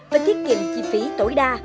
và thiết kiệm chi phí tối đa